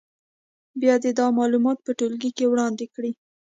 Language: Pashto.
بیا دې دا معلومات په ټولګي کې وړاندې کړي.